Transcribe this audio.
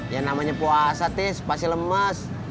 ya namanya puasa tis pasti lemes